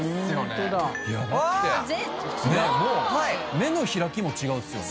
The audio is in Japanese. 目の開きも違うっすよね。